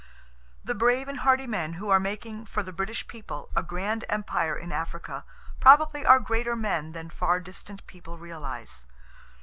The brave and hardy men who are making for the British people a grand empire in Africa probably are greater men than far distant people realize.